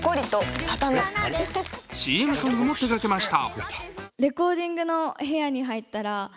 ＣＭソングも手がけました。